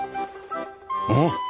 うん！？